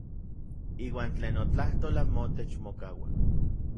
Iuan tlen notlajtol anmotech mokaua.